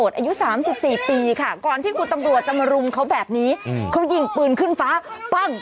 ช่วยเจียมช่วยเจียมช่วยเจียม